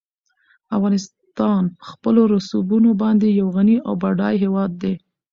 افغانستان په خپلو رسوبونو باندې یو غني او بډای هېواد دی.